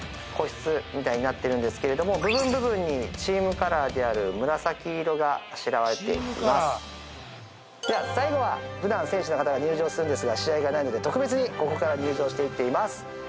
個室みたいになってるんですけれども部分部分にチームカラーである紫色があしらわれていますでは最後はふだん選手の方が入場するんですが試合がないので特別にここから入場していってみます